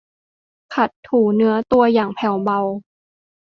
ขัดถูเนื้อตัวอย่างแผ่วเบา